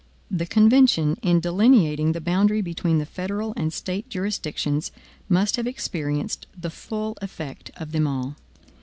The convention, in delineating the boundary between the federal and State jurisdictions, must have experienced the full effect of them all.